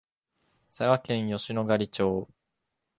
佐賀県吉野ヶ里町